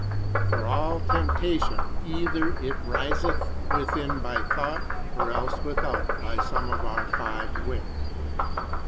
For all temptation either it riseth within by thought, or else without by some of our five wits.